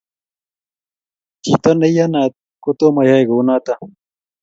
chito neiyanat kotamayae kunoto